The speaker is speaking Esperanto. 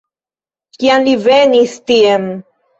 Kiam li venis tien?